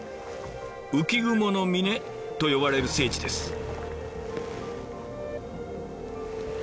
「浮雲峰」と呼ばれる聖地です。